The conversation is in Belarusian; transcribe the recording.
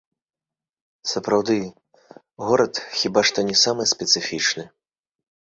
Сапраўды, горад хіба што не самы спецыфічны.